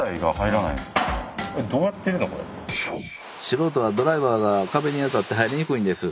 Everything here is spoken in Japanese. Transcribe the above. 素人はドライバーが壁に当たって入りにくいんです。